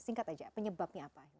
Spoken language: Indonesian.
singkat aja penyebabnya apa